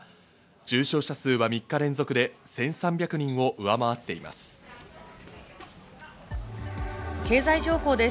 重症者数は３日連続で１３００人を上回っています。